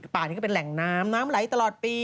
ป่านี่ก็เป็นแหล่งน้ำน้ำไหลตลอดปี